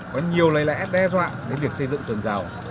có nhiều lời lẽ đe dọa đến việc xây dựng tường rào